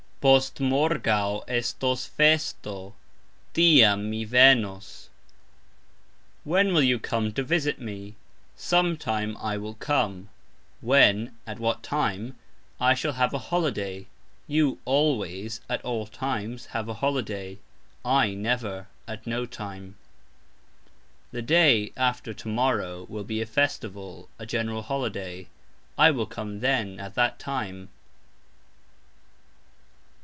Postmorgaux estos festo, "tiam" mi venos. "When" will you come to visit me? "Sometime" I will come, "when" (at what time) I shall have a holiday; you "always" (at all times) have a holiday, I "never" (at no time). (The day) after to morrow will be a festival (a general holiday); I will come "then" (at that time).